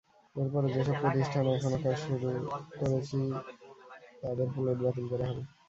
এরপরও যেসব প্রতিষ্ঠান এখনো কাজ শুরু করেনি তাদের প্লট বাতিল করা হবে।